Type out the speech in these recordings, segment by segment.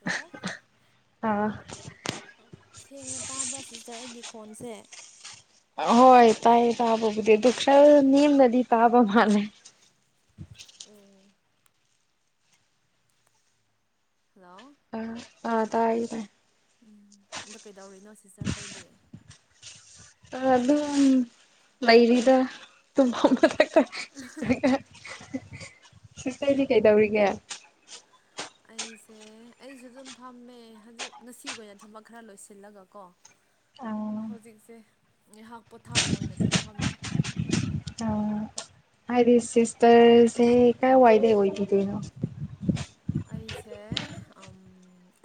hello ꯑꯥ ꯁꯦꯡꯅ ꯇꯥꯕ꯭ꯔꯥ ꯁꯤꯁꯇꯔ ꯑꯩꯒꯤ ꯈꯣꯟꯁꯦ ꯍꯣꯏ ꯇꯥꯏ ꯇꯥꯕꯕꯨꯗꯤ ꯗꯨ ꯅꯅꯤꯝ ꯅꯗꯤ ꯇꯥꯕ ꯃꯥꯅꯦ [inaudible] ꯑꯣ ꯍꯜꯂꯣ ꯑꯥ ꯑꯥ ꯇꯥꯏꯅꯦ ꯎꯝ ꯑꯗ ꯀꯩꯗꯧꯔꯔꯤꯅꯣ ꯁꯤꯁꯇꯔꯈꯣꯏꯗꯤ ꯑꯗꯨ ꯂꯩꯔꯗ ꯇ ꯁꯨ ꯀꯩꯗꯤ ꯀꯩꯗꯧꯔꯤꯒꯦ ꯑꯩꯁꯦ ꯑꯩꯁꯨ ꯑꯗꯨꯝ ꯐꯝꯃꯦ ꯍꯧꯖꯤꯛ ꯉꯁꯤꯒꯤ ꯑꯣꯏꯅ ꯊꯕꯛ ꯈꯔ ꯂꯣꯏꯁꯤꯜꯂꯒꯀꯣ ꯑꯗꯨꯝ ꯑꯣ ꯍꯧꯖꯤꯛꯁꯦ ꯉꯥꯏꯍꯥꯛ ꯄꯣꯊꯥꯕ ꯑꯣꯏꯅ ꯑꯗꯨꯝ ꯐꯝꯃꯦ ꯑ ꯑꯗꯤ ꯁꯤꯁꯇꯔꯁꯦ ꯀꯥꯏ ꯋꯥꯏꯗꯦ ꯑꯣꯏꯣꯏꯊ ꯇꯅ ꯑꯩꯁꯦ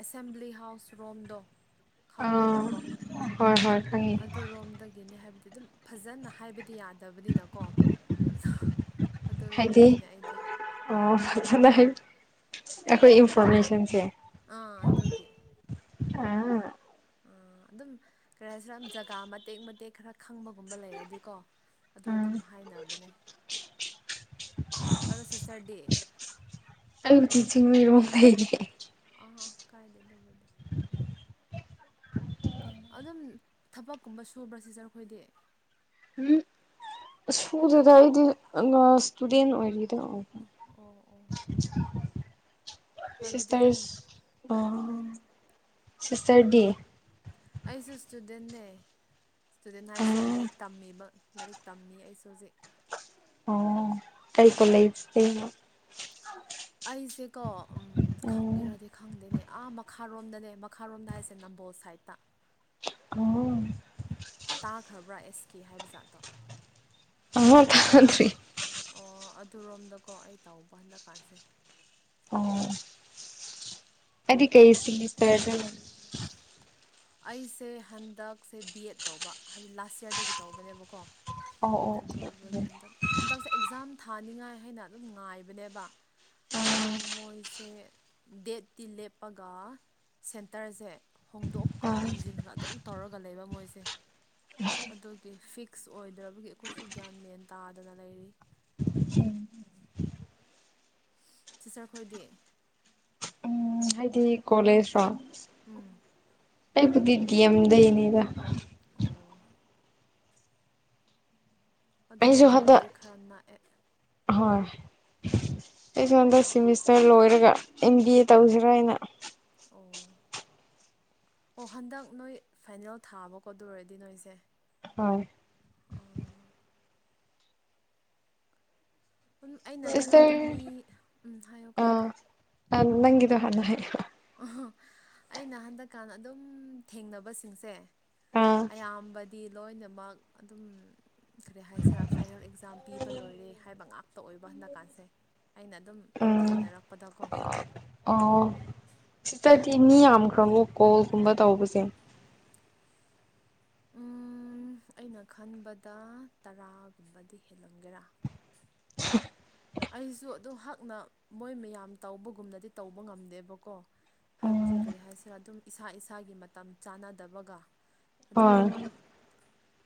ꯑꯦꯁꯦꯝꯕ꯭ꯂꯤ ꯍꯥꯎꯁ ꯔꯣꯝꯗꯣ ꯑꯥ ꯈꯪꯒꯦꯔꯥꯀꯣ ꯍꯣꯏ ꯍꯣꯏ ꯈꯪꯉꯦ ꯑꯗꯨ ꯔꯣꯝꯗꯒꯤꯅꯤ ꯍꯥꯏꯕꯗꯤ ꯑꯗꯨꯝ ꯐꯖꯅ ꯍꯥꯏꯕꯗꯤ ꯌꯥꯗꯕꯅꯤꯅꯀꯣ ꯑ ꯍꯥꯏꯗꯤ ꯑꯣ ꯐꯖꯅ ꯍꯥꯏ ꯑꯩꯈꯣꯏ ꯏꯟꯐꯣꯔꯃꯦꯁꯟꯁꯦ ꯑꯥ ꯑꯗꯨꯗꯒꯦ ꯑꯥ ꯑꯗꯨꯝ ꯀꯔꯤ ꯍꯥꯏꯁꯤꯔ ꯖꯒꯥ ꯃꯇꯦꯛ ꯃꯇꯦꯛ ꯈꯔ ꯈꯪꯕꯒꯨꯝꯕ ꯂꯩꯔꯗꯤꯀꯣ ꯑꯗꯨ ꯑꯗꯨꯝ ꯍꯥꯏꯅꯕꯅꯦ ꯑꯗ ꯁꯤꯁꯇꯔ ꯗꯦ ꯑꯗꯨ ꯆ ꯆꯤꯡ ꯃꯩ ꯑ ꯀꯥꯏꯗꯗꯕ ꯑꯗꯨꯝ ꯊꯕꯛꯀꯨꯝꯕ ꯁꯨꯕ꯭ꯔꯥ ꯁꯤꯖꯔ ꯑꯩꯈꯣꯏꯗꯤ ꯁꯨꯗꯗ ꯑꯩꯗꯤ ꯏꯁꯇꯨꯗꯦꯟ ꯑꯣꯏꯔꯤꯗ ꯑꯣ ꯑꯣ ꯍꯥꯏꯕꯗꯤ ꯑꯗꯨꯝ ꯑꯣ ꯍꯥꯏꯌꯣ ꯔ ꯁꯤꯇꯔ ꯗꯦ ꯑꯩꯁꯨ ꯏꯁꯇꯨꯗꯦꯟꯅꯦ ꯏꯁꯇꯨꯗꯦꯟ ꯑ ꯍꯥꯏꯁꯦ ꯂꯥꯏꯔꯤꯛ ꯇꯝꯃꯤꯕ ꯂꯥꯏꯔꯤꯛ ꯇꯝꯃꯤ ꯑꯩꯁꯨ ꯇꯖꯦꯛ ꯑꯣ ꯀꯩ ꯀꯣꯂꯦꯖ ꯑꯩꯁꯦꯀꯣ ꯎꯝ ꯎꯝ ꯈꯪꯒꯦꯔꯗꯤ ꯈꯪꯗꯦꯅꯦ ꯑꯥ ꯃꯈ ꯃꯈꯥꯔꯣꯝꯗꯅꯦ ꯃꯈꯥꯔꯣꯝꯗ ꯍꯥꯏꯁꯦ ꯅꯝꯕꯣꯜ ꯁꯥꯏꯠꯇ ꯎꯝ ꯕ꯭ꯔꯥ ꯑꯦꯁ ꯀꯦ ꯍꯥꯏꯕ ꯥꯖꯠꯇꯣ ꯑ ꯊ ꯊ꯭ꯔꯤ ꯇꯨꯔꯣꯝꯗꯀꯣ ꯑꯩ ꯇꯥꯎꯕ ꯍꯟꯗꯛ ꯀꯥꯟꯁꯦ ꯑꯣ ꯑꯗꯨꯗꯤ ꯀꯩꯁꯤꯔꯗ ꯑꯩꯁꯦ ꯍꯟꯗꯛꯁꯦ ꯕꯤ ꯑꯦꯠ ꯇꯧꯕ ꯍꯥꯏꯕꯗꯤ ꯂꯥꯁ ꯌꯔꯗꯒꯤ ꯇꯧꯕꯅꯦꯕꯀꯣ ꯑꯣ ꯑꯣ ꯑꯗꯨ ꯑꯣꯀꯦ ꯑꯣꯏꯕꯒꯤ ꯑꯣꯀꯦ ꯍꯟꯗꯛ ꯍꯟꯗꯛꯁꯦ ꯑꯦꯛꯖꯥꯝ ꯊ ꯊꯥꯅꯤꯡꯉꯥꯏ ꯍꯥꯏꯅ ꯑꯗꯨꯝ ꯉꯥꯏꯕꯅꯦꯕ ꯑꯗꯣ ꯃꯣꯏꯁꯦ ꯗꯦꯠꯇꯤ ꯂꯦꯞꯄꯒ ꯁꯦꯟꯇꯔꯁꯦ ꯍꯣꯡꯗꯣꯛꯀ ꯑꯥ ꯍꯣꯟꯖꯤꯟꯒ ꯑꯗꯨꯝ ꯇꯧꯔꯒ ꯂꯩꯕ ꯃꯣꯏꯁꯦ ꯑꯗꯨꯒꯤ ꯐꯤꯛꯁ ꯑꯣꯏꯗ꯭ꯔꯕꯒꯤ ꯑꯩꯈꯣꯏꯁꯨ ꯒ꯭ꯌꯥꯟ ꯃꯦꯟ ꯇꯥꯗꯅ ꯂꯩꯔꯤ ꯆ ꯆꯇꯔ ꯈꯣꯏꯗꯤ ꯀꯣꯂꯦꯖ꯭ꯔꯥꯎ ꯎꯝ ꯑꯩꯕꯨꯗꯤꯗꯤ ꯌꯥꯝꯗꯅꯤꯗ ꯑꯣ ꯑꯗꯨꯗꯤ ꯑꯩꯁꯨ ꯍꯟꯗꯛ ꯑꯩꯈꯣꯏꯒꯗꯤ ꯈꯔ ꯅꯛꯑꯦ ꯑꯩ ꯁꯣꯟꯝꯗ ꯁꯤꯦꯃꯤꯁꯇꯔ ꯂꯣꯏꯔꯒ ꯑꯦꯝ ꯕꯤ ꯑꯦ ꯇꯧꯁꯤꯔꯣ ꯑꯩꯅ ꯑꯣ ꯑꯣ ꯍꯟꯗꯛ ꯅꯣꯏ ꯐꯥꯏꯅꯦꯜ ꯊꯥꯕꯀꯣ ꯑꯗꯨꯔꯗꯤ ꯅꯣꯏꯁꯦ ꯍꯣꯏ ꯎꯝ ꯑꯩꯅ ꯈꯔ ꯑꯗꯨꯝ ꯁꯤꯁꯇꯔ ꯃꯤ ꯎ ꯍꯥꯏꯌꯣ ꯀꯥꯏꯗꯦ ꯑ ꯅꯪꯗꯣ ꯍꯅ ꯍꯥꯏ ꯑꯩꯅ ꯍꯟꯗꯛꯀꯥꯟ ꯑꯗꯨꯝ ꯊꯦꯡꯅꯕꯁꯤꯡꯁꯦ ꯑꯥ ꯑꯌꯥꯝꯕꯗꯤ ꯂꯣꯏꯅꯃꯛ ꯑꯗꯨꯝ ꯀꯔꯤ ꯍꯥꯏꯁꯤꯔ ꯐꯥꯏꯅꯦꯜ ꯑꯦꯛꯖꯥꯝ ꯄꯤꯕ ꯂꯣꯏꯔꯦ ꯍꯥꯏꯕ ꯉꯥꯛꯇ ꯑꯣꯏꯕ ꯍꯟꯗꯛꯀꯥꯟꯁꯦ ꯑꯩꯅ ꯑꯗꯨꯝ ꯊꯦꯡꯅꯔꯛꯄꯗꯀꯣ ꯑꯥ ꯁꯤꯗꯗꯤ ꯃꯤ ꯌꯥꯝꯈ꯭ꯔꯕꯣ ꯀꯣꯜꯒꯨꯝꯕ ꯇꯧꯕꯁꯦ [inaudible] ꯎꯝ ꯑꯩꯅ ꯈꯟꯕꯗ ꯇꯔꯥꯒꯨꯝꯕꯗꯤ ꯍꯦꯜꯂꯝꯒꯦꯔꯥ ꯍ ꯑꯩꯁꯨ ꯑꯗꯨ ꯍꯛꯅ ꯃꯣꯏ ꯃꯌꯥꯝ ꯇꯧꯕꯒꯨꯝꯅꯗꯤ ꯇꯧꯕ ꯉꯝꯗꯦꯕꯀꯣ ꯍꯥꯏꯕꯗꯤ ꯀꯔꯤ ꯍꯥꯏꯁꯤꯔꯥ ꯑꯗꯨꯝ ꯏꯁꯥ ꯏꯁꯥꯒꯤ ꯃꯇꯝ ꯆꯥꯟꯅꯗꯕꯒ ꯑꯗꯨꯒ ꯍꯣꯏ ꯑꯗꯨꯝ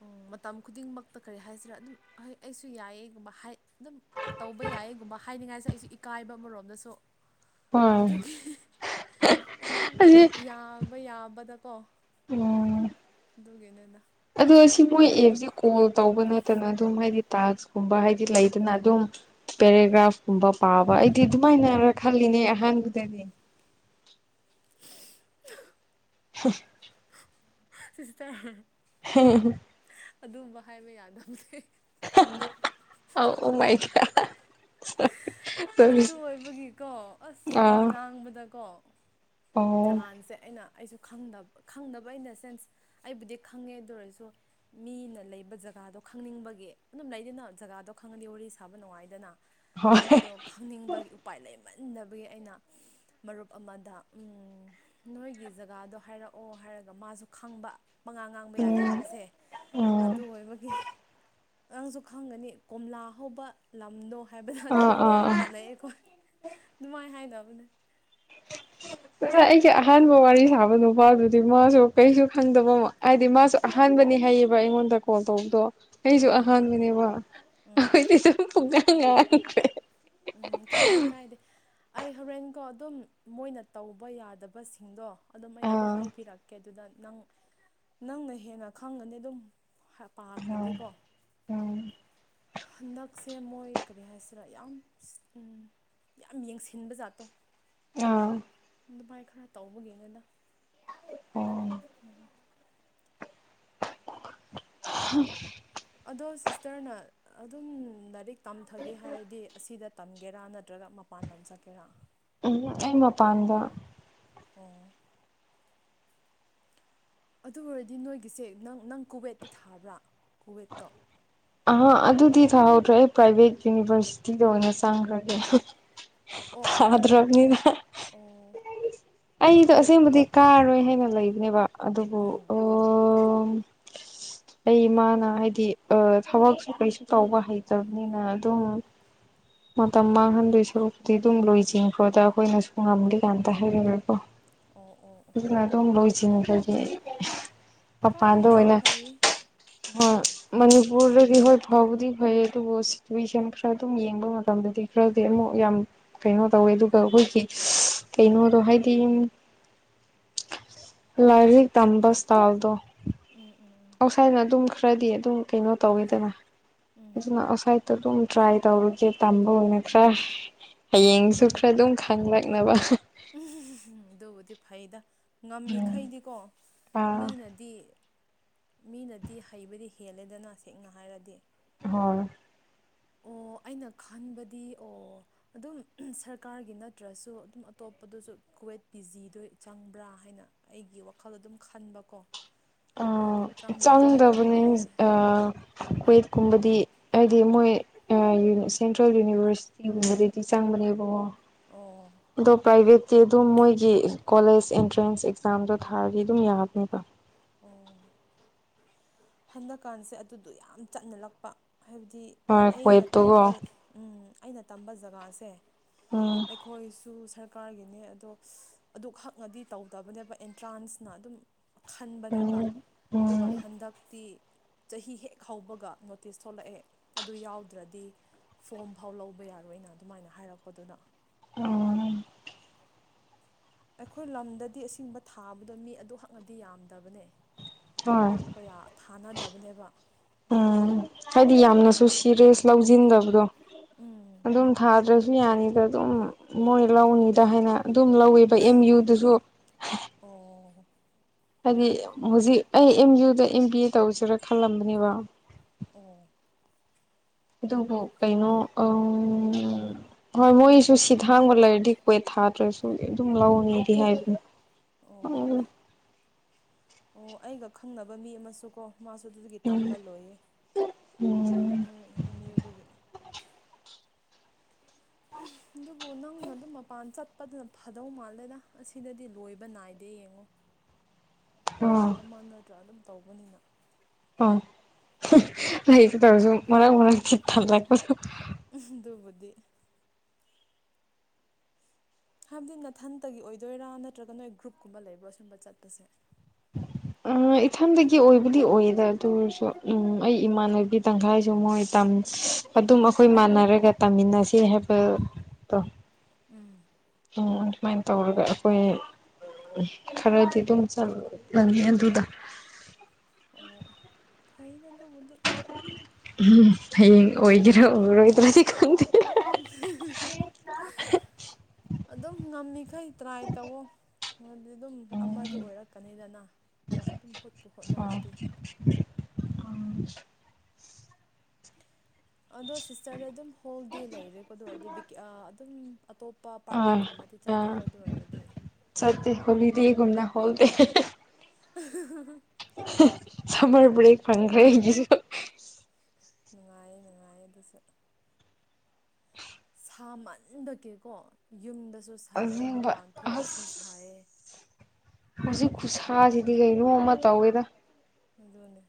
ꯑꯣ ꯃꯇꯝ ꯈꯨꯗꯤꯡꯃꯛꯇ ꯀꯔꯤ ꯍꯥꯏꯁꯤꯔꯥ ꯑꯗꯨꯝꯣꯏ ꯑꯩꯁꯨ ꯌꯥꯏꯑꯒꯨꯝꯕ ꯑꯗꯨꯝ ꯇꯧꯕ ꯌꯥꯏꯌꯦꯒꯨꯝꯕ ꯍꯥꯏꯅꯤꯡꯉꯥꯏꯁꯦ ꯑꯩꯁꯨ ꯏꯀꯥꯏꯕ ꯑꯃꯔꯣꯝꯗꯁꯨ ꯍꯣꯏ ꯑꯗꯨꯒꯤ ꯑꯗꯨꯝ ꯑꯁꯤ ꯌꯥꯕ ꯌꯥꯕꯗꯀꯣ ꯎꯝ ꯑꯗꯨꯒꯤꯅꯤꯅ ꯑꯗꯣ ꯁꯤ ꯃꯣꯏ ꯑꯦꯞꯁꯦ ꯀꯣꯜ ꯇꯧꯕ ꯅꯠꯇꯅ ꯑꯗꯨꯝ ꯍꯥꯏꯗꯤ ꯇꯥꯛꯁꯀꯨꯝꯕ ꯍꯥꯏꯗꯤ ꯂꯩꯗꯅ ꯑꯗꯨꯝ ꯄꯦꯔꯥꯒ꯭ꯔꯥꯐ ꯀꯨꯝꯕ ꯄꯥꯕ ꯑꯩꯗꯤ ꯑꯗꯨꯃꯥꯏꯅꯔ ꯈꯜꯂꯤꯅꯦ ꯑꯍꯥꯟꯕꯗꯗꯤ ꯍ ꯁꯤꯁ ꯇ ꯍꯝ ꯑꯗꯨꯝꯕ ꯍꯥꯏꯕ ꯌꯥꯗꯕꯅꯦꯦ ꯑꯥꯎ ꯃꯥꯏ ꯀ ꯑꯗꯨ ꯑꯣꯏꯕꯒꯤꯀꯣ ꯑꯁ ꯋꯥ ꯑꯥ ꯉꯥꯡꯕꯗꯀꯣ ꯑꯣ ꯅꯍꯥꯟꯁꯦ ꯑꯩꯅ ꯑꯩꯁꯨ ꯈꯪꯗꯕ ꯈꯪꯗꯕ ꯏꯟ ꯗ ꯁꯦꯟꯁ ꯑꯩꯕꯨꯗꯤ ꯈꯪꯉꯦ ꯑꯗꯨ ꯑꯣꯏꯔꯁꯨ ꯃꯤꯅ ꯂꯩꯕ ꯖ ꯖꯒꯥꯗꯣ ꯈꯪꯅꯤꯡꯕꯒꯤ ꯑꯗꯨꯝ ꯂꯩꯅꯤꯅ ꯖꯒꯥꯗꯣ ꯈꯪꯉꯗꯤ ꯋꯥꯔꯤ ꯁꯥꯕ ꯅꯨꯡꯉꯥꯏꯗꯅ ꯍꯣꯏ ꯑꯗꯣ ꯈꯪꯅꯤꯡꯕꯒꯤ ꯎꯄꯥꯏ ꯂꯩꯃꯟꯕꯒꯤ ꯑꯩꯅ ꯃꯔꯨꯞ ꯑꯃꯗ ꯎ ꯅꯣꯏꯒꯤ ꯖꯒꯥꯗꯣ ꯍꯥꯏꯔꯛꯑꯣ ꯍꯥꯏꯔꯒ ꯃꯥꯁꯨ ꯈꯪꯕ ꯃꯉꯥ ꯉꯥꯡꯕ ꯌꯥꯗꯦ ꯎꯝ ꯍꯥꯏꯕꯁꯦ ꯑꯗꯨ ꯎꯝ ꯑꯣꯏꯕꯒꯤ ꯅꯪꯁꯨ ꯈꯪꯒꯅꯤ ꯀꯣꯝꯂꯥ ꯍꯧꯕ ꯂꯝꯗꯣ ꯍꯥꯏꯕꯗꯣ ꯑꯥ ꯑꯥ ꯑꯗꯨꯗ ꯒ꯭ꯌꯥꯟ ꯑꯥ ꯇꯥꯅꯩꯑꯦꯈꯣ ꯅꯨꯡꯉꯥꯏ ꯍꯥꯏꯅꯕꯅꯦ ꯑꯩꯒꯤ ꯑꯍꯥꯟꯕ ꯋꯥꯔꯤ ꯁꯥꯕ ꯅꯨꯄꯥꯗꯨꯗꯤ ꯃꯥꯁꯨ ꯀꯩꯁꯨ ꯈꯪꯗꯕ ꯍꯥꯏꯗꯤ ꯃꯥꯁꯨ ꯑꯍꯥꯟꯕ ꯈꯅꯤ ꯍꯥꯏꯌꯦꯕ ꯑꯩꯉꯣꯟꯗ ꯀꯣꯜ ꯇꯧꯕꯗꯣ ꯑꯩꯁꯨ ꯎꯝ ꯑꯍꯥꯟꯕꯅꯦꯕ ꯎꯝ ꯑꯩꯈꯣꯏꯗꯤ ꯁꯨꯝ ꯉꯈ꯭ꯔꯦ ꯎꯝ ꯀꯥꯏꯗꯦ ꯀꯥꯏꯗꯦ ꯑꯩ ꯍꯣꯔꯦꯟꯀꯣ ꯑꯗꯨꯝ ꯃꯣꯏꯅ ꯇꯧꯕ ꯌꯥꯗꯕꯁꯤꯡꯗꯣ ꯑꯗꯨꯝ ꯑꯩꯅ ꯑꯗꯨꯝ ꯑꯥ ꯍꯥꯏꯕꯤꯔꯛꯀꯦ ꯑꯗꯨꯗ ꯅꯪ ꯅꯪꯅ ꯍꯦꯟꯅ ꯈꯪꯒꯅꯤ ꯑꯗꯨꯝ ꯍꯣꯏ ꯄꯥꯈ꯭ꯔꯗꯤꯀꯣ ꯎꯣꯏ ꯍꯟꯗꯛꯁꯦ ꯃꯣꯏ ꯀꯔꯤ ꯍꯥꯏꯁꯤꯔꯥ ꯌꯥꯝ ꯌꯥꯝ ꯌꯦꯡꯁꯤꯟꯕ ꯖꯥꯠꯇꯣ ꯑꯥ ꯑꯗꯨꯃꯥꯏ ꯈꯔ ꯇꯧꯕꯒꯤꯅꯅ ꯎꯝ [unintelligible] ꯑꯗꯣ ꯁꯤꯁꯇꯔꯅ ꯑꯗꯨꯝ ꯂꯥꯏꯔꯤꯛ ꯇꯝꯊꯒꯦ ꯍꯥꯏꯔꯗꯤ ꯑꯁꯤꯗ ꯇꯝꯒꯦꯔꯥ ꯅꯠꯇ꯭ꯔꯒ ꯃꯄꯥꯟ ꯑꯅꯟ ꯆ ꯀꯦꯔꯥ ꯎꯝ ꯑ ꯃꯄꯥꯟꯝꯗ ꯀꯣꯡ ꯑꯗꯨ ꯑꯣꯏꯔꯗꯤ ꯅꯣꯏꯒꯤꯁꯦ ꯅꯪ ꯅꯪ ꯀꯨꯋꯦꯠꯇꯤ ꯊꯥꯕ꯭ꯔꯥ ꯀꯨꯋꯦꯠꯇꯣ ꯑ ꯑꯗꯨꯗꯤ ꯊꯥꯍꯧꯗ꯭ꯔꯦ ꯄ꯭ꯔꯥꯏꯚꯦꯠ ꯌꯨꯅꯤꯚꯔꯁꯤꯇꯤꯗ ꯑꯣꯏꯅ ꯆꯪꯈ꯭ꯔꯒꯦ ꯑꯣ ꯑꯗꯨ ꯊꯥꯗ꯭ꯔꯕꯅꯤꯅ ꯑꯣ ꯑꯩꯗꯣ ꯑꯣ ꯑꯁꯦꯡꯕꯗꯤ ꯀꯥꯔꯔꯣꯏ ꯍꯥꯏꯅ ꯂꯩꯅꯦꯕ ꯑꯗꯨꯕꯨ ꯎꯝ ꯑꯩ ꯏꯃꯥꯅ ꯍꯥꯏꯗꯤ ꯊꯕꯛꯁꯨ ꯀꯩꯁꯨ ꯇꯧꯕ ꯍꯩꯇꯕꯅꯤꯅ ꯑꯗꯨꯝ ꯃꯇꯝ ꯃꯥꯡꯍꯟꯗꯣꯏ ꯁꯔꯨꯛꯇꯗꯤ ꯑꯗꯨꯝ ꯂꯣꯏꯖꯤꯡꯈ꯭ꯔꯣꯗ ꯑꯩꯈꯣꯏꯅꯁꯨ ꯉꯝꯂꯤ ꯀꯥꯟꯇ ꯍꯥꯏꯔꯨꯔꯦꯀꯣ ꯑꯣ ꯑꯣ ꯑꯣ ꯑꯗꯨꯅꯗꯝ ꯂꯣꯏꯁꯤ꯭ꯔꯗꯤ ꯀꯥꯏꯗꯗꯞ ꯐꯑ ꯍꯥ ꯃꯅꯤꯄꯨꯔꯗꯗꯤ ꯍꯣꯏ ꯐꯥꯎꯕꯗꯤ ꯐꯩ ꯑꯗꯨꯕꯨ ꯁꯤꯇꯨꯋꯦꯁꯟ ꯈꯔ ꯑꯗꯨꯝ ꯌꯦꯡꯕ ꯃꯇꯝꯗꯗꯤ ꯈꯔꯗꯤ ꯑꯃꯨꯛ ꯌꯥꯝ ꯀꯩꯅꯣ ꯇꯧꯋꯦ ꯑꯗꯨꯒ ꯑꯩꯈꯣꯏꯒꯤ ꯀꯩꯅꯣꯗꯣ ꯍꯥꯏꯗꯤ ꯂꯔꯤ ꯝꯕꯣ ꯎꯝ ꯎꯝ ꯑꯁꯥꯏꯅ ꯑꯗꯨꯝ ꯈꯔꯗꯤ ꯑꯗꯨꯝ ꯀꯩꯅꯣ ꯇꯧꯋꯦꯗꯅ ꯎꯝ ꯑꯗꯨꯅ ꯉꯁꯥꯏꯗ ꯑꯗꯨꯝ ꯇ꯭ꯔꯥꯏ ꯇꯧꯔꯨꯒꯦ ꯇꯝꯕ ꯑꯣꯏꯅ ꯈꯔ ꯍꯌꯦꯡꯁꯨ ꯈꯔ ꯑꯗꯨꯝ ꯈꯪꯂꯛꯅꯕ ꯎꯝ ꯑꯗꯨꯕꯨꯗꯤ ꯐꯩꯗ ꯉꯝꯃꯤꯈꯩꯗꯤꯀꯣ ꯑꯥ ꯃꯤꯅꯗꯤ ꯃꯤꯅꯗꯤ ꯍꯩꯕꯗꯤ ꯍꯦꯜꯂꯦꯗꯅ ꯁꯦꯡꯅ ꯍꯥꯏꯔꯗꯤ ꯍ ꯑꯣ ꯑꯩꯅ ꯈꯟꯕꯗꯤ ꯑꯣ ꯑꯗꯨꯝ ꯁꯔꯀꯥꯔꯒꯤ ꯅꯠꯇ꯭ꯔꯁꯨ ꯑꯗꯨꯝ ꯑꯇꯣꯞꯄꯗꯁꯨ ꯀꯨꯋꯦꯠ ꯄꯤ ꯖꯤꯗꯣ ꯆꯪꯕ꯭ꯔꯥ ꯍꯥꯏꯅ ꯑꯩꯒꯤ ꯋꯥꯈꯜ ꯑꯗꯨꯝ ꯈꯟꯕꯀꯣ ꯑ ꯑꯣ ꯑꯗꯨ ꯆꯪꯗꯦ ꯍꯥꯏꯔꯗꯤ ꯑꯗꯨꯝ ꯆꯪꯕꯅꯤ ꯌꯥꯔꯦ ꯑ ꯀꯨꯋꯦꯠꯀꯨꯝꯕꯗꯤ ꯍꯥꯏꯗꯤ ꯃꯣꯏ ꯁꯦꯟꯇ꯭ꯔꯦꯜ ꯌꯨꯅꯤꯚꯔꯁꯤꯇꯤꯒꯨꯝꯕꯗꯗꯤ ꯆꯪꯕ ꯑꯔꯤꯕꯉꯣ ꯑꯣ ꯃꯣꯏꯒꯤ ꯀꯣꯂꯦꯖ ꯑꯦꯟꯇ꯭ꯔꯦꯟꯁ ꯑꯦꯛꯖꯥꯝꯗꯣ ꯊꯥꯔꯗꯤ ꯑꯗꯨꯝ ꯌꯥꯕꯅꯦꯕ ꯑꯣ ꯍꯟꯗꯛꯀꯥꯟꯁꯦ ꯑꯗꯨꯗꯣ ꯌꯥꯝ ꯆꯠꯅ ꯂꯛꯄ ꯍꯥꯏꯕꯗꯤ ꯍꯣꯏ ꯑꯩꯅ ꯀ꯭ꯋꯦꯠꯇꯨꯀꯣ ꯇꯝꯕ ꯑꯩꯅ ꯇꯝꯕ ꯖꯒꯥꯁꯦ ꯎꯝ ꯑꯩꯈꯣꯏꯁꯨ ꯁꯔꯀꯥꯔꯒꯤꯅꯦ ꯑꯗꯣ ꯑꯗꯨ ꯈꯛꯅꯗꯤ ꯇꯧꯗꯕꯅꯦꯕ ꯑꯦꯟꯇ꯭ꯔꯥꯟꯁꯅ ꯑꯗꯨꯝ ꯈꯟꯕꯅꯦꯕ ꯎꯝ ꯑꯗꯨꯒ ꯎꯝ ꯍꯟꯗꯛꯇꯤ ꯆꯍꯤ ꯍꯦꯛ ꯍꯧꯕꯒ ꯅꯣꯇꯤꯁ ꯊꯣꯛꯂꯛꯑꯦ ꯑꯗꯨ ꯌꯥꯎꯗ꯭ꯔꯗꯤ ꯐꯣꯝ ꯐꯥꯎ ꯂꯧꯕ ꯌꯥꯏ ꯌꯥꯔꯣꯏ ꯑꯅ ꯑꯗꯨꯃꯥꯏꯅ ꯍꯥꯏꯔꯛꯄꯗꯨꯗ ꯎꯝ ꯑꯩꯈꯣꯏ ꯂꯝꯗꯗꯤ ꯑꯁꯦꯡꯕ ꯊꯥꯕꯗꯣ ꯃꯤ ꯑꯗꯨ ꯍꯛꯅꯗꯤ ꯌꯥꯝꯗꯕꯅꯦ ꯍꯣꯏ ꯀꯌꯥ ꯊꯥꯅꯗꯕꯅꯦꯕ ꯎꯝ ꯍꯥꯏꯗꯤ ꯌꯥꯝꯅꯁꯨ ꯁꯤꯔꯦꯁ ꯂꯧꯁꯤꯟꯗꯕꯗꯣ ꯎꯝ ꯑꯗꯨꯝ ꯊꯥꯗ꯭ꯔꯁꯨ ꯃꯤꯅꯤꯌꯥꯅꯤꯗ ꯑꯗꯨꯝ ꯃꯣꯏꯣꯔ ꯂꯧꯥꯎꯅꯤꯗ ꯍꯥꯏꯅ ꯑꯗꯨꯝ ꯂꯧꯋꯦꯕ ꯑꯦꯝ ꯌꯨꯗꯨꯁꯨ ꯑꯣ ꯍꯥꯏꯗꯤ ꯍꯧꯖꯤꯛ ꯑꯩ ꯑꯦꯝ ꯌꯨꯗ ꯑꯦꯝ ꯕꯤ ꯑꯦ ꯇꯧꯁꯤꯔꯥ ꯈꯜꯂꯝꯕꯅꯦꯕ ꯑꯣ ꯑꯗꯨ ꯀꯩꯅꯣ ꯑ ꯍꯣꯏ ꯃꯣꯏ ꯁꯨ ꯁꯤ ꯊꯥꯡꯕ ꯂꯩꯔꯗꯤ ꯀꯣꯏꯠ ꯊꯥꯗ꯭ꯔꯁꯨ ꯑꯗꯨꯝ ꯂꯧꯅꯤꯗꯤ ꯍꯥꯏꯕꯅꯤ ꯑꯣ ꯑꯣ ꯑꯩꯒ ꯈꯪꯅꯕ ꯃꯤ ꯑꯃꯁꯨ ꯀꯣ ꯃꯥꯁꯨ ꯑꯗꯨꯗꯒꯤ ꯇꯝꯕ ꯂꯣꯏꯌꯦ ꯎꯝ ꯃꯣꯏ ꯑꯦꯝ ꯌꯨꯗꯒꯤ [inaudible] ꯑꯗꯨꯕꯨ ꯅꯪꯅ ꯑꯗꯨꯝ ꯃꯄꯥꯟ ꯆꯠꯄꯗꯅ ꯐꯗꯧ ꯃꯥꯜꯂꯦꯗ ꯑꯁꯤꯗꯗꯤ ꯂꯣꯏꯕ ꯅꯥꯏꯗꯦ ꯌꯦꯡꯉꯣ [inaudible] ꯑꯗꯨꯝ ꯑꯣ ꯑꯃ ꯅꯠꯇ꯭ꯔꯥ ꯑꯗꯨꯝ ꯇꯧꯕꯅꯤꯅ ꯑ ꯑꯩ ꯇꯧꯔꯁꯨ ꯃꯅꯥ ꯃ ꯆꯤ ꯊ ꯂꯥꯛꯄ ꯨꯕꯨꯗꯤ ꯍꯥꯏꯕꯗꯤ ꯅꯥꯊꯟꯇꯒꯤ ꯑꯣꯏꯗꯣꯏꯔꯥ ꯅꯠꯇ꯭ꯔꯒ ꯅꯣꯏ ꯒ꯭ꯔꯨꯞꯀꯨꯝꯕ ꯂꯩꯕ꯭ꯔꯥ ꯁꯨꯝꯕ ꯆꯠꯄꯁꯦ ꯎ ꯑ ꯏꯊꯟꯗꯒꯤ ꯑꯣꯏꯕꯨꯗꯤ ꯑꯣꯏꯌꯦꯗ ꯑꯗꯨꯁꯨ ꯎꯝ ꯑꯩ ꯏꯃꯥꯟꯅꯕꯤ ꯇꯪꯈꯥꯏꯁꯨ ꯃꯣꯏ ꯇ ꯑꯗꯨꯝ ꯑꯩꯈꯣꯏ ꯃꯥꯟꯅꯔꯒ ꯇꯥꯃꯤꯟꯅꯁꯦ ꯍꯥꯏꯕꯗꯣ ꯎꯝ ꯁꯨꯃꯥꯏꯅ ꯇꯧꯔꯒ ꯑꯩꯈꯣꯏ ꯈꯔꯗꯤ ꯇ ꯆ ꯑꯗꯨꯗ ꯑꯣ ꯐꯩꯅ ꯇꯕꯨꯗꯤ ꯎꯝ ꯍꯌꯦꯡ ꯑꯣꯏꯒꯦꯔ ꯎꯔꯣꯏꯗ꯭ꯔꯗꯤ ꯈꯪꯗꯦ [unintelligible] ꯑꯗꯨꯝ ꯉꯝꯃꯤꯈꯩ ꯇ꯭ꯔꯥꯏ ꯇꯧꯑꯣ ꯗꯤ ꯑꯗꯨꯝ ꯑꯃꯗꯤ ꯑꯣꯏꯔꯛꯀꯅꯤꯗꯅ ꯅꯠꯇ꯭ꯔ ꯑꯗꯨꯝ ꯍꯣꯠꯄꯨ ꯍꯣꯠꯅꯔꯗꯤ ꯑ ꯑꯗꯣ ꯁꯤꯁꯇꯔꯗ ꯑꯗꯨꯝ ꯍꯣꯜꯗꯦ ꯂꯩꯔꯦꯀꯣ ꯑꯗꯨ ꯑꯣꯏꯔꯗꯤ ꯑꯗꯨꯝ ꯑꯇꯣꯞꯄ ꯄꯥꯔꯠ ꯑꯥ ꯇꯥꯏꯝꯒꯨꯝꯕꯗꯤ ꯆꯠꯇꯦꯀꯣ ꯑꯥ ꯑꯗꯨ ꯑꯣꯏꯔꯒꯗꯤ ꯗꯤꯒꯨꯝꯅ ꯈꯣꯜꯗ ꯑ ꯁꯨꯝꯃꯦꯔ ꯕꯔꯦꯛ ꯐꯪ꯭ꯔꯁꯨ ꯅꯨꯡꯉꯥꯏꯌꯦ ꯅꯨꯡꯉꯥꯏꯌꯦ ꯑꯗꯨꯁꯨ ꯁꯥꯃꯟꯗꯀꯦꯀꯣ ꯌꯨꯝꯗ ꯨ ꯁꯥꯏꯑꯌꯦ ꯑꯁꯦꯡꯕ ꯃꯄꯥꯟ ꯑꯁ ꯊꯣꯛꯑꯁꯨ ꯁꯥꯏꯑ ꯍꯧꯖꯤꯛ ꯈꯨꯠꯁꯥꯁꯤꯗꯤ ꯀꯩꯅꯣ ꯑꯃ ꯇꯧꯋꯦꯗ ꯑꯗꯨꯅꯦ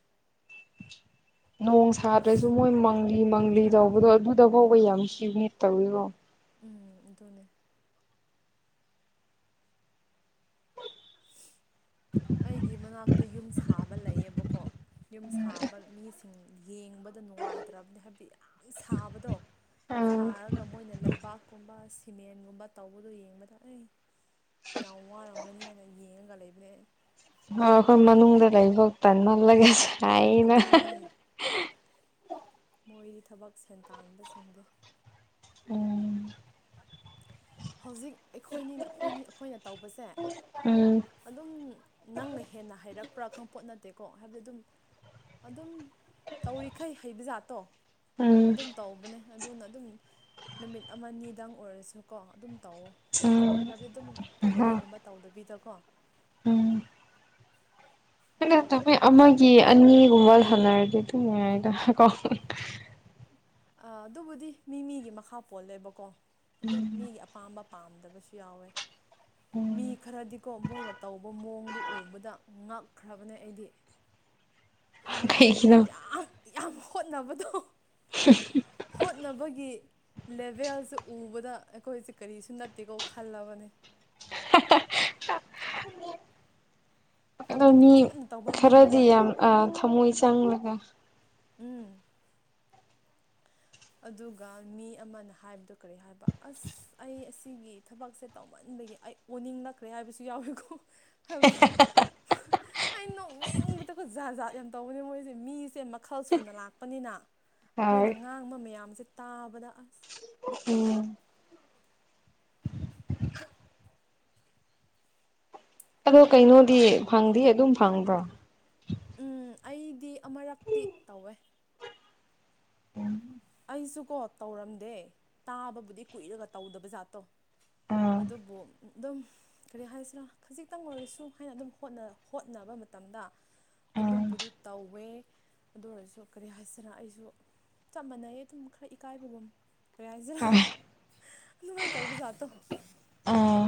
[inaudible] ꯅꯣꯡ ꯁꯥꯗ꯭ꯔꯁꯨ ꯃꯣꯏ ꯃꯪꯂꯤ ꯃꯪꯂꯤ ꯇꯧꯕꯗꯣ ꯑꯗꯨꯗ ꯐꯥꯎꯕ ꯌꯥꯝ ꯍꯤꯅꯦꯠ ꯇꯧꯋꯕꯣ ꯎꯝ ꯑꯗꯨꯅꯦ ꯑꯩꯒꯤ ꯃꯅꯥꯛꯇ ꯌꯨꯝ ꯁꯥꯕ ꯂꯩꯌꯦꯕꯀꯣ ꯌꯨꯝ ꯁꯥꯕ ꯃꯤꯁꯤꯡ ꯌꯦꯡꯕꯗ ꯅꯨꯡꯉꯥꯏꯇ꯭ꯔꯕꯅꯤ ꯍꯥꯏꯕꯗꯤ ꯌꯥꯝ ꯁꯥꯕꯗꯣ ꯍꯣꯏ ꯁꯥꯔꯒ ꯃꯣꯏꯅ ꯂꯩꯕꯥꯛꯀꯨꯝꯕ ꯑꯁꯤ ꯁꯤꯃꯦꯟꯒꯨꯝꯕ ꯇꯧꯕꯗꯣ ꯌꯦꯡꯕꯗ ꯑꯩ ꯌꯥꯝ ꯋꯥꯔꯝꯒꯅꯤ ꯍꯥꯏꯅ ꯌꯦꯡꯉꯒ ꯂꯩꯕꯅꯦ ꯑ ꯑꯩꯈꯣꯏ ꯃꯅꯨꯡꯗ ꯂꯩꯐꯧ ꯇꯟꯍꯜꯂꯒꯁꯨ ꯍꯥꯏꯅ ꯑꯗꯨꯅꯦ ꯃꯣꯏꯗꯤ ꯊꯕꯛ ꯁꯦꯟ ꯇꯥꯟꯕ ꯆꯁꯤꯡꯗꯦ ꯎꯝ ꯍꯧꯖꯤꯛ ꯑꯩꯈꯣꯏꯅꯤꯅ ꯑꯩꯈꯣꯏꯅꯤ ꯑꯩꯈꯣꯏꯅ ꯇꯧꯕꯁꯦ ꯎꯝ ꯑꯗꯨꯝ ꯅꯪꯅ ꯍꯦꯟꯅ ꯍꯩꯔꯛꯄ꯭ꯔꯥ ꯈꯪꯄꯣꯠ ꯅꯠꯇꯦꯀꯣ ꯍꯥꯏꯕꯗꯤ ꯑꯗꯨꯝ ꯑꯗꯨꯝ ꯇꯧꯔꯤꯈꯩ ꯍꯩꯕ ꯖꯥꯠꯇꯣ ꯑꯗꯨꯝ ꯇꯧꯕꯅꯦ ꯑꯗꯨꯅ ꯑꯗꯨꯝ ꯅꯨꯃꯤꯠ ꯑꯃꯅꯤꯅꯤꯗꯪ ꯑꯣꯏꯔꯁꯨ ꯀꯣ ꯑꯗꯨꯝ ꯇꯧꯑꯣ ꯍꯥꯏꯕꯗꯤ ꯑꯗꯨꯝ ꯎꯝ ꯍ ꯇꯜꯂꯦꯒꯨꯝꯕ ꯇꯧꯗꯕꯤꯗꯀꯣ ꯎꯝ ꯑꯩꯅꯣꯏ ꯑꯃꯒꯤ ꯑꯅꯤꯒꯨꯝꯕ ꯁꯥꯟꯅꯔꯗꯤ ꯑꯗꯨꯝ ꯌꯥ ꯍꯥꯏꯗ ꯀꯣ ꯑ ꯑꯗꯨꯕꯨꯗꯤ ꯃꯤ ꯃꯤꯒꯤ ꯃꯈꯥ ꯄꯣꯜꯂꯦꯕꯀꯣ ꯑꯗꯨꯝ ꯃꯤꯒꯤ ꯑꯄꯥꯝꯕ ꯄꯥꯝꯗꯕꯁꯨ ꯌꯥꯎꯋꯦ ꯃꯤ ꯈꯔꯗꯤꯀꯣ ꯃꯣꯏꯅ ꯇꯧꯕ ꯃꯑꯣꯡꯗ ꯎꯕꯗ ꯉꯛꯈ꯭ꯔꯕꯅꯦ ꯑꯩꯗꯤ [inaudible] ꯍꯥꯏꯕꯗꯤ ꯀꯩꯒꯤꯅꯣ ꯌꯥꯝ ꯌꯥꯝ ꯍꯣꯠꯅꯕꯗꯣ [unintelligible] ꯍꯣꯠꯅꯕꯒꯤ ꯂꯦꯕꯦꯜꯁꯦ ꯎꯕꯗ ꯑꯩꯈꯣꯏꯁꯦ ꯀꯔꯤꯁꯨ ꯅꯠꯇꯦꯀꯣ ꯈꯜꯂꯕꯅꯦ [unintelligible] ꯑꯗꯣ ꯍꯥꯏꯕꯗꯤ ꯃꯤ ꯐꯖꯅ ꯇꯧꯕ ꯃꯤ ꯈꯔꯗꯤ ꯂꯩꯌꯦ ꯌꯥꯝ ꯑ ꯊꯃꯣꯏ ꯆꯪꯉꯒ ꯎꯝ ꯑꯗꯨꯒ ꯃꯤ ꯑꯃꯅ ꯍꯥꯏꯕꯗꯣ ꯀꯔꯤ ꯍꯥꯏꯕ ꯑꯁ ꯑꯩ ꯑꯁꯤꯒꯤ ꯊꯕꯛꯁꯦ ꯇꯧꯃꯟ ꯕꯒꯤ ꯑꯩ ꯑꯣꯅꯤꯡꯂꯛꯈ꯭ꯔꯦ ꯍꯥꯏꯕꯁꯨ ꯌꯥꯎꯋꯤꯀꯣ ꯍꯥꯏꯕꯗꯤ [unintelligible] ꯑꯩ ꯅꯣꯛꯅꯤꯡꯒꯗꯕ ꯖꯥꯠ ꯖꯥꯠ ꯌꯥꯝ ꯇꯧꯕꯅꯤ ꯃꯣꯏꯁꯦ ꯃꯤꯁꯦ ꯃꯈꯜ ꯁꯨꯅ ꯂꯥꯛꯄꯅꯤꯅ ꯃꯣꯏꯅ ꯍꯣꯏ ꯉꯥꯡꯕ ꯃꯌꯥꯝꯁꯦ ꯇꯥꯕꯗ ꯑꯁ ꯎꯝ ꯑꯗꯣ ꯀꯩꯅꯣꯗꯤ ꯐꯪꯗꯤ ꯑꯗꯨꯝ ꯐꯪꯕ꯭ꯔꯣ ꯎꯝ ꯑꯩꯗꯤ ꯑꯃꯨꯔꯛꯇꯤ ꯇꯧꯋꯦ ꯑꯩꯁꯨ ꯀꯣ ꯇꯧꯔꯝꯗꯦ ꯇꯥꯕꯕꯨꯗꯤ ꯀꯨꯏꯔꯒ ꯇꯧꯗꯕꯖꯥꯠꯇꯣ ꯎꯝ ꯑꯗꯨꯕꯨ ꯑꯗꯨꯝ ꯀꯔꯤ ꯍꯥꯏꯁꯤꯔꯥ ꯈꯖꯤꯛꯇꯪ ꯑꯣꯏꯔꯁꯨ ꯍꯥꯏꯅ ꯑꯗꯨꯝ ꯍꯣꯠ ꯍꯣꯠꯅꯕ ꯃꯇꯝꯗ ꯎꯝ ꯑꯗꯨꯝꯕꯨꯗꯤ ꯇꯧꯋꯦ ꯑꯗꯨ ꯑꯣꯏꯔꯁꯨ ꯀꯔꯤ ꯍꯥꯏꯁꯤꯅ ꯑꯩꯁꯨ ꯆꯞ ꯃꯥꯟꯅꯩꯌꯦ ꯑꯗꯨꯝ ꯈꯔ ꯏꯀꯥꯏꯕꯒꯨꯝ ꯀꯔꯤ ꯍꯥꯏꯁꯤꯔꯥ ꯍꯣꯏ ꯅꯨꯡꯉꯥꯏ ꯇꯧꯕ ꯖꯥꯠꯇꯣ ꯎꯝ